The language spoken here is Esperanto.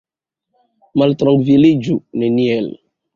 Maltrankviliĝu neniel.